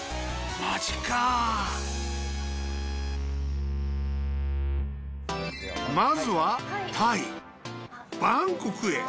マジかまずはタイ・バンコクへ。